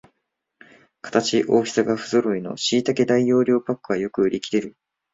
形、大きさがふぞろいのしいたけ大容量パックはよく売りきれる